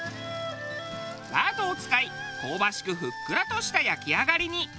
ラードを使い香ばしくふっくらとした焼き上がりに。